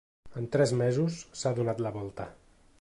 En tres mesos, s’ha donat la volta.